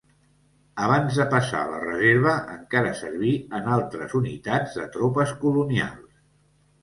Abans de passar a la reserva encara serví en altres unitats de tropes colonials.